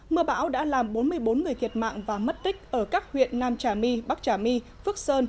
mưa bão đã làm bốn mươi bốn người thiệt mạng và mất tích ở các huyện nam trà my bắc trà my phước sơn